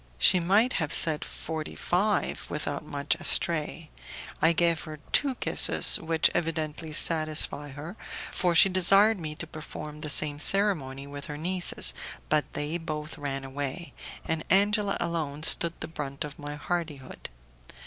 She might have said forty five without going much astray. I gave her two kisses, which evidently satisfied her, for she desired me to perform the same ceremony with her nieces, but they both ran away, and Angela alone stood the brunt of my hardihood.